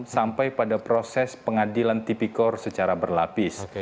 sampai pada proses pengadilan tipikor secara berlapis